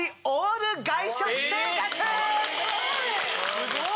すごい！